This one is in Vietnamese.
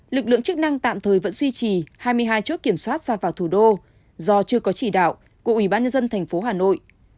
lực lượng chức năng tạm thời vẫn duy trì hai mươi hai chốt kiểm soát ra vào thủ đô do chưa có chỉ đạo của ubnd tp hà nội